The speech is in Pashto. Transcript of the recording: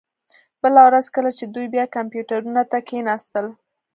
بله ورځ کله چې دوی بیا کمپیوټرونو ته کښیناستل